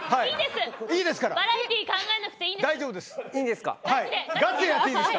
バラエティー考えなくていいですから。